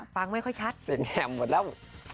ฟังไม่ค่อยชัดเสียงแห่มหมดแล้ว